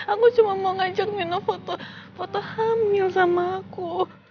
aku cuma mau ngajak minum foto hamil sama aku